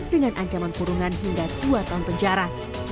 dengan ancaman kurungan hingga dua tahun penjara